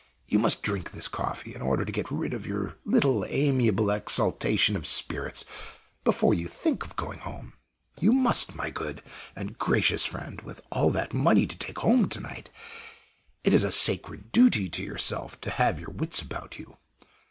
You must drink this coffee in order to get rid of your little amiable exaltation of spirits before you think of going home you must, my good and gracious friend! With all that money to take home to night, it is a sacred duty to yourself to have your wits about you.